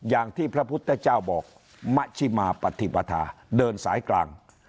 อย่างที่พระพุทธเจ้าบอกมะชิมาปฏิปทาเดินสายกลาง